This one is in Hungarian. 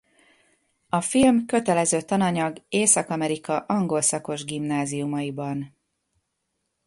A film kötelező tananyag Észak-Amerika angol szakos gimnáziumaiban.